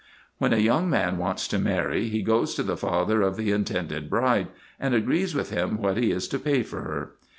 When a young man wants to marry, he goes to the father of the intended bride, and agrees with him what he is to pay for her.